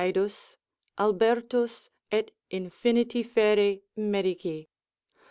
Haedus, Albertus, et infiniti fere medici.